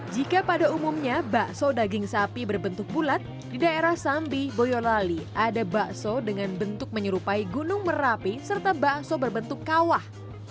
jika pada umumnya bakso daging sapi berbentuk bulat di daerah sambi boyolali ada bakso dengan bentuk menyerupai gunung merapi serta bakso berbentuk kawah